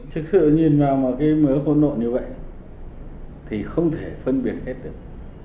chức sự nhìn vào một cái mớ côn nộn như vậy thì không thể phân biệt hết được